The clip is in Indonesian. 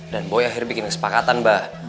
dan boy akhirnya bikin kesepakatan bah